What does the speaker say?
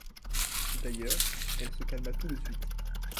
D'ailleurs, elle se calma tout de suite.